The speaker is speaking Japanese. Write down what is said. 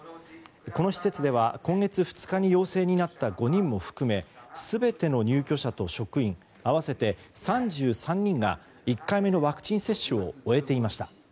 この施設では今月２日に陽性になった５人を含め全ての入居者と職員合わせて３３人が１回目のワクチン接種を終えていました。